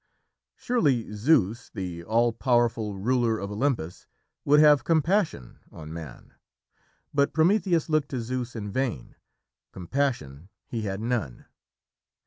Surely Zeus, the All Powerful, ruler of Olympus, would have compassion on Man? But Prometheus looked to Zeus in vain; compassion he had none.